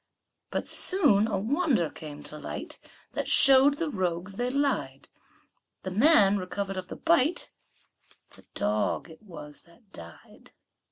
But soon a wonder came to light, That showed the rogues they lied; The man recover'd of the bite, The dog it was that died.